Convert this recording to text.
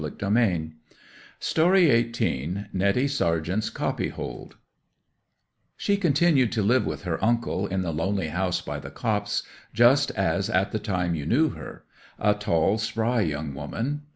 Day apologized, and began:— NETTY SARGENT'S COPYHOLD 'She continued to live with her uncle, in the lonely house by the copse, just as at the time you knew her; a tall spry young woman.